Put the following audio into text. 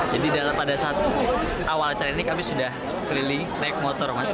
jadi pada saat awal acara ini kami sudah keliling reek motor mas